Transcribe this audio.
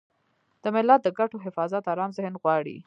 د ملت د ګټو حفاظت ارام ذهن غواړي.